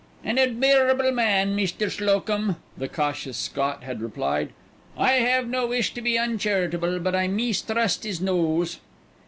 "An admeerable man, Meester Slocum," the cautious Scot had replied. "I have no wish to be uncharitable, but I meestrust his nose."